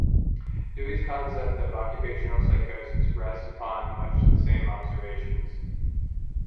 Dewey's concept of occupational psychosis rests upon much the same observations.